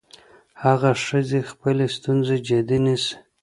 هغه ښځه خپلې ستونزې جدي نيسي.